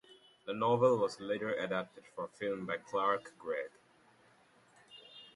The novel was later adapted for film by Clark Gregg.